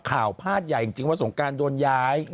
พาดใหญ่จริงว่าสงการโดนย้าย